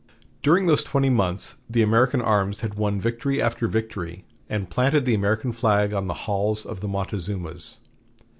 During those twenty months the American arms had won victory after victory, and planted the American flag on the "halls of the Montezumas."